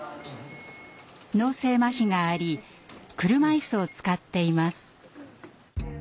脳性まひがあり車いすを使っています。